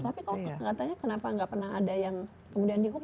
tapi kalau katanya kenapa nggak pernah ada yang kemudian dihukum